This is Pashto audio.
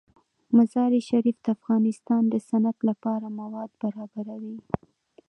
مزارشریف د افغانستان د صنعت لپاره مواد برابروي.